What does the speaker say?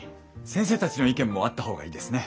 先生たちの意見もあった方がいいですね。